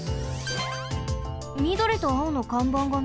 みどりとあおのかんばんがみえる。